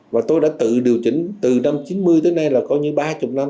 và tôi đã tự điều chỉnh từ năm chín mươi tới nay là coi như ba mươi năm